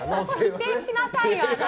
否定しなさいよ、あなた。